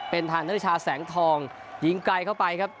เป็นทางนริชาแสงทองยิงไกลเข้าไปครับ